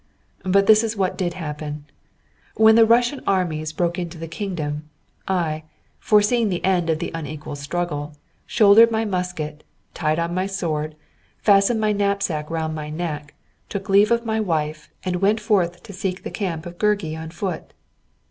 But this is what did happen. When the Russian armies broke into the kingdom, I, foreseeing the end of the unequal struggle, shouldered my musket, tied on my sword, fastened my knapsack round my neck, took leave of my wife, and went forth to seek the camp of Görgey on foot.